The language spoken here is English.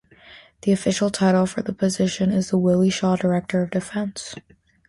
The official title for the position is the Willie Shaw Director of Defense.